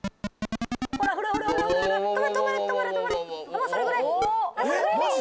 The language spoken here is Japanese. もうそれぐらい！